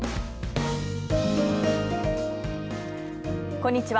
こんにちは。